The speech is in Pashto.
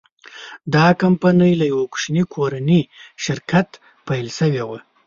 دا کمپنۍ له یوه کوچني کورني شرکت پیل شوې وه.